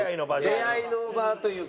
出会いの場というか。